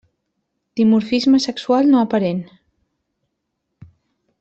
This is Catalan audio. Dimorfisme sexual no aparent.